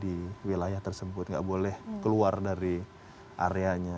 di wilayah tersebut nggak boleh keluar dari areanya